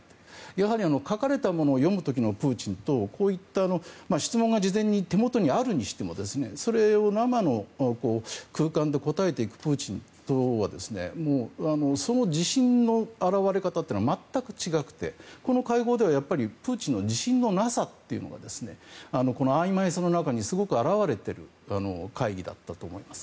やはり書かれたものを読む時のプーチンとこういった質問が事前に手元にあるにしてもそれを生の空間で答えていくプーチンとではその自信の表れ方というのは全く違ってこの会合ではプーチンの自信のなさがこのあいまいさの中にすごく表れてる会議だったと思います。